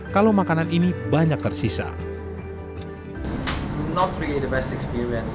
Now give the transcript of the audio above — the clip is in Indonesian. kalau makanan ini tidak bisa dihidangkan maka bagaimana